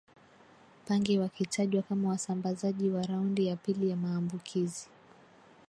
pange wakitajwa kama wasambazaji wa raundi ya pili ya maambukizi